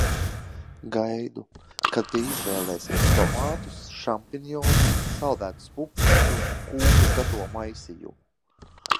Gaidu, kad tie izvēlēsies tomātus, šampinjonus, saldētas pupiņas un kūkas gatavo maisījumu.